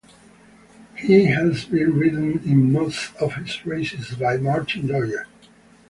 He has been ridden in most of his races by Martin Dwyer.